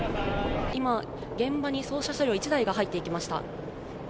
今、現場に捜査車両１台が入っていきました。